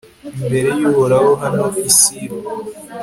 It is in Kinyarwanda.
imbere y'uhoraho, hano i silo